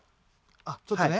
あっちょっとね